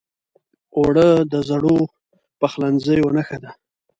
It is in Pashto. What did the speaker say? اوړه د زړو پخلنځیو نښه ده